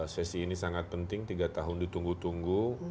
sesi ini sangat penting tiga tahun ditunggu tunggu